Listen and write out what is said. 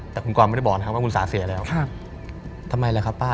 แต่คุณกรไม่ได้บอกนะครับว่าคุณสาเสียแล้วทำไมล่ะครับป้า